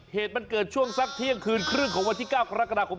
เหตุมันเกิดช่วงสักเที่ยงคืนครึ่งของวันที่๙กรกฎาคม